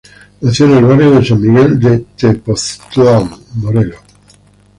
Nació en el Barrio de San Miguel de Tepoztlán, Morelos.